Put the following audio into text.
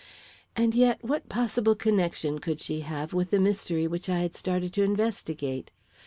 And yet, what possible connection could she have with the mystery which I had started to investigate?